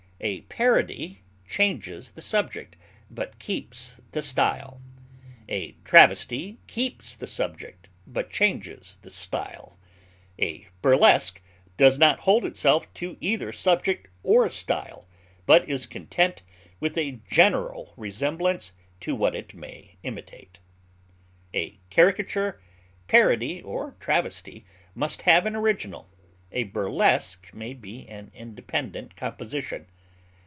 A parody changes the subject, but keeps the style; a travesty keeps the subject, but changes the style; a burlesque does not hold itself to either subject or style; but is content with a general resemblance to what it may imitate. A caricature, parody, or travesty must have an original; a burlesque may be an independent composition.